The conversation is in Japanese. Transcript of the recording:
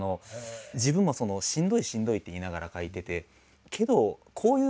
自分もしんどいしんどいって言いながら描いてて。